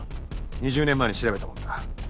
２０年前に調べたものだ。